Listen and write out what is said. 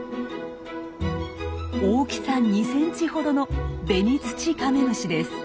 大きさ２センチほどのベニツチカメムシです。